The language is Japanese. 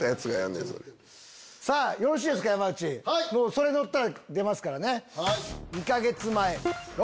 それ乗ったら出ますからね。